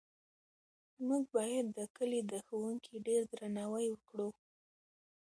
موږ باید د کلي د ښوونکي ډېر درناوی وکړو.